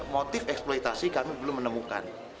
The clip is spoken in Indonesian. motif eksploitasi kami belum menemukan